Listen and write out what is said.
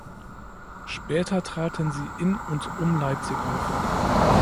Später traten sie in und um Leipzig auf.